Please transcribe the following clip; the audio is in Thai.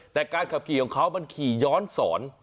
แต่การขับขี่ของเขามันขี่ย้อนสอน